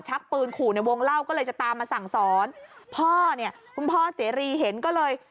ปืนขู่ในวงเล่าก็เลยจะตามมาสั่งสอนพ่อเนี่ยคุณพ่อเสรีเห็นก็เลย